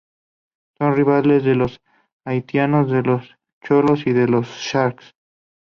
Son rivales de los Haitianos, de los Cholos, y de los Sharks.